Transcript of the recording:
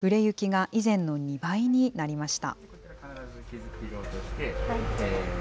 売れ行きが以前の２倍になりました。